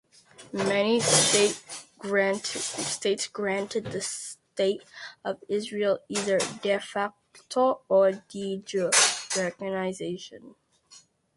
Many states granted the State of Israel either "de facto" or "de jure" recognition.